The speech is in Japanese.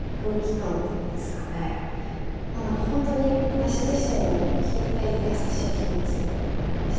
何だか本当に私自身も聴いていてやさしい気持ちになりました。